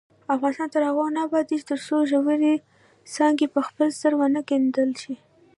افغانستان تر هغو نه ابادیږي، ترڅو ژورې څاګانې په خپل سر ونه کیندل شي.